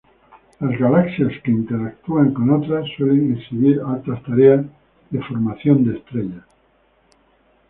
Las galaxias que interactúan con otras suelen exhibir altas tasas de formación de estrellas.